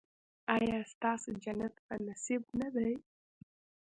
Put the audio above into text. ایا ستاسو جنت په نصیب نه دی؟